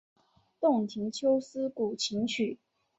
洞庭秋思古琴曲。